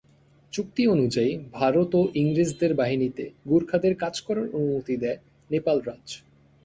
চুক্তি অনুযায়ী, ভারত ও ইংরেজদের বাহিনীতে গুর্খাদের কাজ করার অনুমতি দেয় নেপাল রাজ।